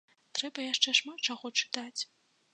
Трэба яшчэ шмат чаго чытаць.